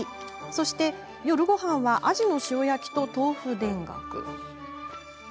そして、夜ごはんはあじの塩焼きと、豆腐田楽。